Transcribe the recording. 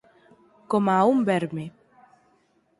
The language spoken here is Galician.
coma a un verme.